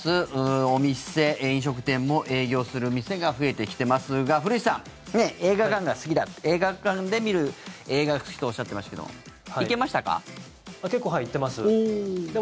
お店、飲食店も営業する店が増えてきてますが古市さん、映画館が好きだ映画館で見る映画が好きとおっしゃっていましたけども行けましたか？